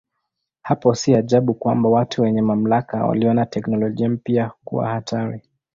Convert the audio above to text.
Hapo si ajabu kwamba watu wenye mamlaka waliona teknolojia mpya kuwa hatari.